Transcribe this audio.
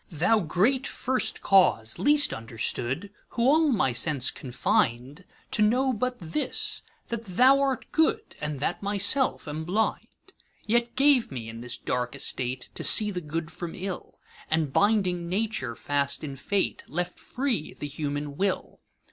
Thou Great First Cause, least understood, Who all my sense confin'dTo know but this, that thou art good, And that myself am blind:Yet gave me, in this dark estate, To see the good from ill; And binding Nature fast in Fate, Left free the human Will.